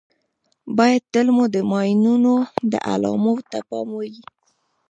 باید تل مو د ماینونو د علامو ته پام وي.